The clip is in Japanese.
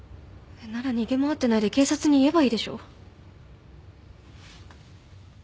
なら逃げ回ってないで警察に言えばいいでしょ。